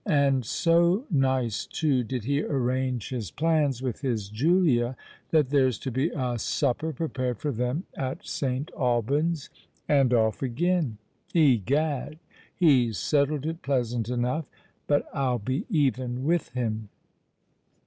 And so nice too did he arrange his plans with his Julia, that there's to be a supper prepared for them at St. Alban's—and off again! Egad! he's settled it pleasant enough: but I'll be even with him!"